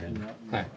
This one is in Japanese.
はい。